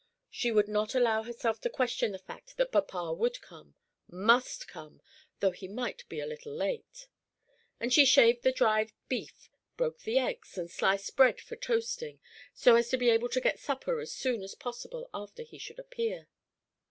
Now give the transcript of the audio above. She would not allow herself to question the fact that papa would come must come, though he might be a little late; and she shaved the dried beef, broke the eggs, and sliced bread for toasting, so as to be able to get supper as soon as possible after he should appear.